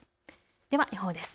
では予報です。